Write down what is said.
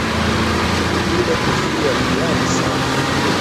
Ile kofia ni ghali sana.